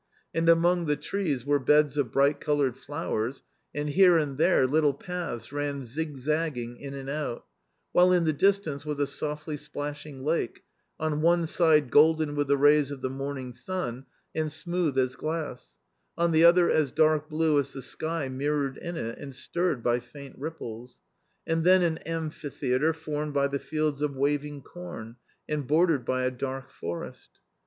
And among the trees were beds of bright coloured flowers, , and here and there, little paths ran zigzagging in and out, v while in the distance was a softly splashing lake, on one side golden with the rays of the morning sun and smo'oth as glass, on the other as dark blue as the sky mirrored • in it, and stirred by faint ripples./ And then an amphi theatre formed by the fields of waving corn and bordered by a dark forest.